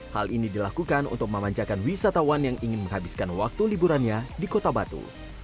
hal ini dilakukan untuk memanjakan wisatawan yang ingin menghabiskan waktu liburannya di kota batu